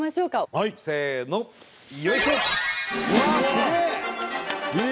すげえ！